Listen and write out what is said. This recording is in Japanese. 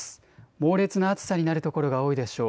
猛烈な暑さになる所が多いでしょう。